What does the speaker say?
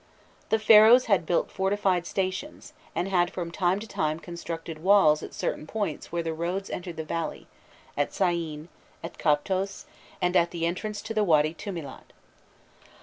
The Pharaohs had built fortified stations, and had from time to time constructed walls at certain points where the roads entered the valley at Syene, at Coptos, and at the entrance to the Wady Tûmilât.